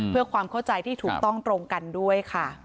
เพื่อความเข้าใจที่ถูกต้องตรงกันด้วยค่ะ